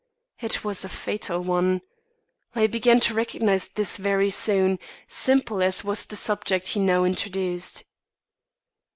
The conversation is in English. It was a fatal one. I began to recognise this very soon, simple as was the subject he now introduced.